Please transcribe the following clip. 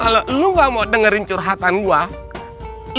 kalau lo gak mau dengerin curhatan gue